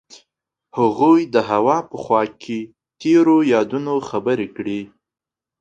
هغوی د هوا په خوا کې تیرو یادونو خبرې کړې.